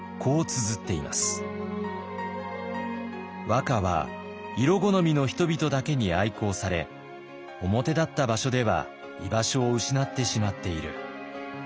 和歌は色好みの人々だけに愛好され表立った場所では居場所を失ってしまっている。